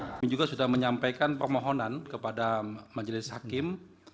kami juga sudah menyampaikan permohonan kepada majelis hakim